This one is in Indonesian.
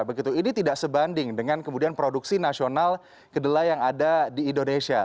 begitu ini tidak sebanding dengan kemudian produksi nasional kedelai yang ada di indonesia